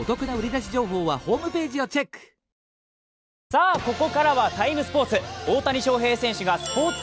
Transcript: さあ、ここからは「ＴＩＭＥ，スポーツ」。